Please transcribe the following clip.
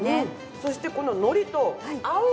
そしてこの海苔と合う！